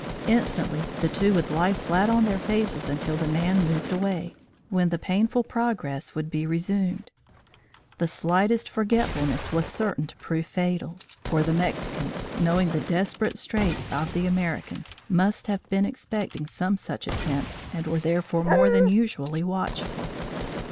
Instantly the two would lie flat on their faces until the man moved away, when the painful progress would be resumed. The slightest forgetfulness was certain to prove fatal, for the Mexicans, knowing the desperate straits of the Americans, must have been expecting some such attempt and were therefore more than usually watchful.